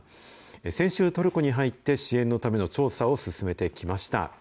先週、トルコに入って、支援のための調査を進めてきました。